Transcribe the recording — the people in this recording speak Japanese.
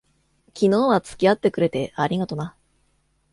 昨日は付き合ってくれて、ありがとな。